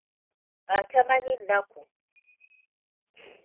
Atamanyi nnaku!